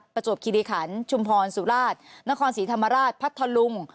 ประจวบคิริขันชุมพรสุราชนครศรีธรรมราชพัทธลุง